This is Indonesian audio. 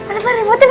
adepan remote pak